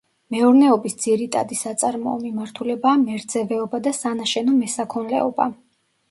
მეურნეობის ძირიტადი საწარმოო მიმართულებაა მერძევეობა და სანაშენო მესაქონლეობა.